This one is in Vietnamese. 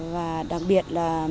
và đặc biệt